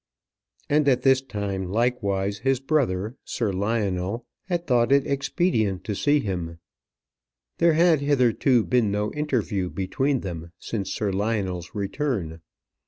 And at this time likewise his brother, Sir Lionel, had thought it expedient to see him. There had hitherto been no interview between them since Sir Lionel's return.